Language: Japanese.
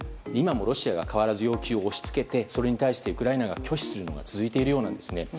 今もロシアが変わらず要求を押し付けてそれに対してウクライナが拒否するのが続いているようなんですね。